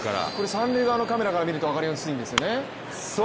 三塁側のカメラから見ると分かりやすいんですよね。